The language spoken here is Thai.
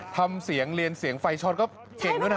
ทำเสียงเรียนเสียงไฟช็อตก็เก่งด้วยนะ